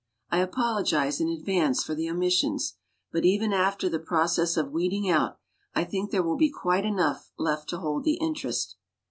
I apologize in advance for the omissions. But even after the pro cess of weeding out, I think there will be quite enough left to hold the interest.